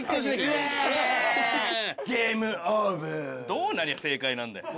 どうなりゃ正解なんだよ